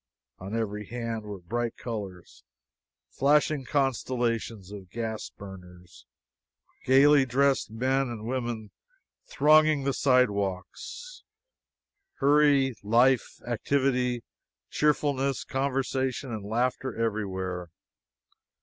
On every hand were bright colors, flashing constellations of gas burners, gaily dressed men and women thronging the sidewalks hurry, life, activity, cheerfulness, conversation, and laughter everywhere!